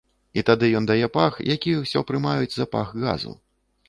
І тады ён дае пах, які ўсё прымаюць за пах газу.